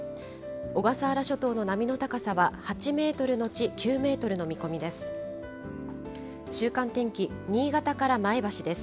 小笠原諸島の波の高さは８メートル後９メートルの見込みです。